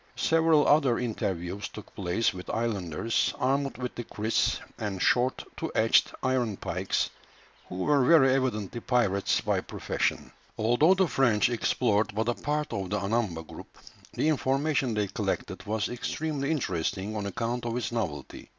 Several other interviews took place with islanders, armed with the kriss, and short two edged iron pikes, who were very evidently pirates by profession. Although the French explored but a part of the Anamba group, the information they collected was extremely interesting on account of its novelty.